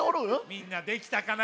みんなできたかな？